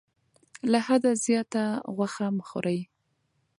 له حده زیاته غوښه مه خورئ.